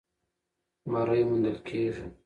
بری موندل کېږي.